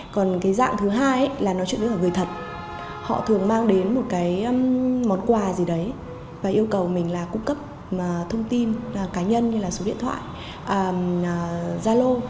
còn cái dạng thứ hai là nói chuyện với người thật họ thường mang đến một cái món quà gì đấy và yêu cầu mình là cung cấp thông tin cá nhân như là số điện thoại giao lô hoặc là địa chỉ